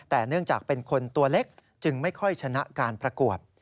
แต่เนื่องจากเป็นคนตัวเล็กจึงไม่ค่อยชนะการประกวด